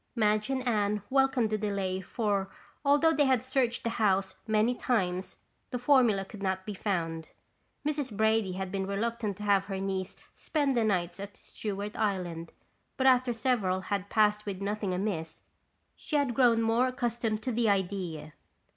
Madge and Anne welcomed the delay for although they had searched the house many times, the formula could not be found. Mrs. Brady had been reluctant to have her niece spend the nights at Stewart Island, but after several had passed with nothing amiss, she had grown more accustomed to the idea.